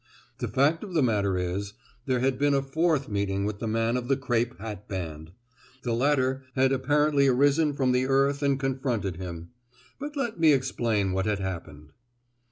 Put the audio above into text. The fact of the matter is, there had been a fourth meeting with the man of the crape hat band. The latter had apparently arisen from the earth and confronted him. But let me explain what had happened.